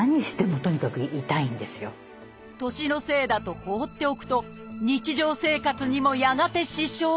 年のせいだと放っておくと日常生活にもやがて支障が。